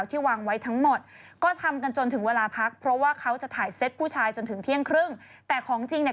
มีของจริงแล้วค่ะเป็นรูปเหมือนโดนัท